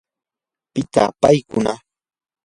¿pitaq paykuna?